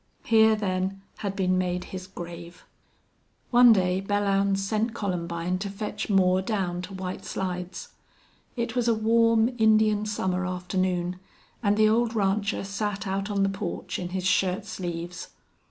Here, then, had been made his grave. One day Belllounds sent Columbine to fetch Moore down to White Slides. It was a warm, Indian summer afternoon, and the old rancher sat out on the porch in his shirt sleeves.